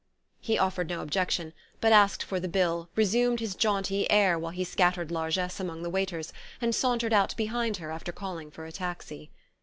He offered no objection, but asked for the bill, resumed his jaunty air while he scattered largesse among the waiters, and sauntered out behind her after calling for a taxi.